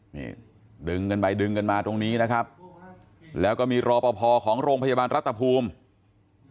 นี่ดึงกันไปดึงกันมาตรงนี้นะครับแล้วก็มีรอปภของโรงพยาบาลรัฐภูมิ